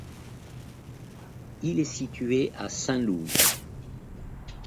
Il est situé à Saint-Louis.